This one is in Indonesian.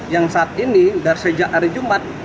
yang saat ini dari sejak hari jumat